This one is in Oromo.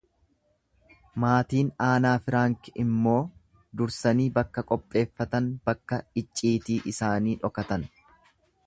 maatiin Aanaa Firaanki immoo dursanii bakka qopheeffatan, bakka icciitii isaanii dhokatan.